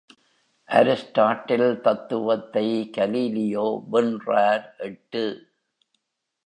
Aristotle தத்துவத்தை Galileo வென்றார் எட்டு.